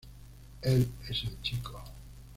Él es el chico".